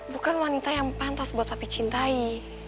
bukan wanita yang pantas buat tapi cintai